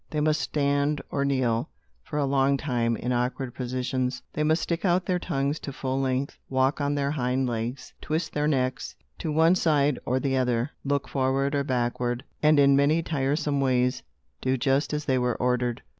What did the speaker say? They must stand or kneel, for a long time, in awkward positions. They must stick out their tongues to full length, walk on their hind legs, twist their necks, to one side or the other, look forward or backward, and in many tiresome ways do just as they were ordered.